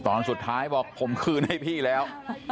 ตอนสุดท้ายบอกผมคืนให้พี่แล้ว